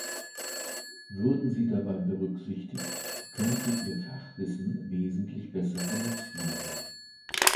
Würden sie dabei berücksichtigt, könnte ihr Fachwissen wesentlich besser genutzt werden.